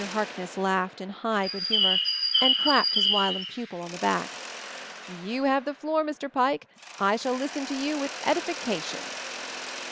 Harkness laughed in high good 132 MOVING THE MOUNTAIN humor, and clapped his whilom pupil on the back. "You have the floor, Mr. Pike — I shall listen to you with edification."